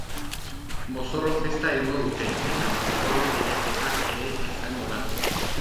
Mozorro-festa egingo dute eta mozorro-lehiaketa ere izango da.